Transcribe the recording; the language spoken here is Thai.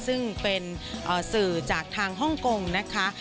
ซึ่งเป็นสื่อจากทางฮ่องกงนะคะ